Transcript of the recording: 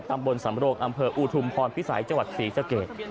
ตำบลสำโรคอำเภออุทุมพรพิสัยจศรีเซษร์เกส